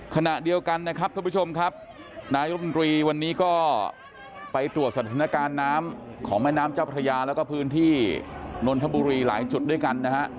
ขณะเดียวกันนะครับท่านผู้ชมครับนายรุมตรีวันนี้ก็ไปตรวจสถานการณ์น้ำของแม่น้ำเจ้าพระยาแล้วก็พื้นที่นนทบุรีหลายจุดด้วยกันนะฮะ